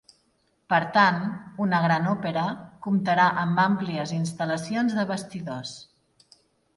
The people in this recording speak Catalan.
Per tant, un gran òpera comptarà amb àmplies instal·lacions de vestidors.